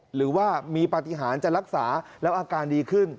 หรือว่ามีปฏิหารจะรักษาแล้วอาการดีขึ้น